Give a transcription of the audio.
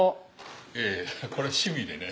いやいやこれ趣味でね。